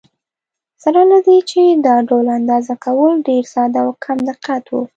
سره له دې چې دا ډول اندازه کول ډېر ساده او کم دقت و.